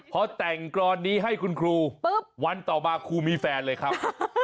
พอแต่งกรอนนี้ให้คุณครูปุ๊บวันต่อมาครูมีแฟนเลยครับ